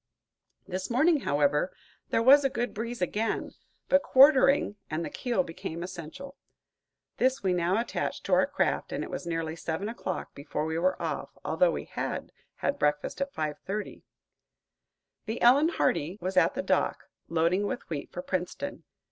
This morning, however, there was a good breeze again, but quartering, and the keel became essential. This we now attached to our craft, and it was nearly seven o'clock before we were off, although we had had breakfast at 5.30. The "Ellen Hardy" was at the dock, loading with wheat for Princeton.